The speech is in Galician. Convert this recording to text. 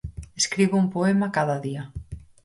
Escribe un poema cada día.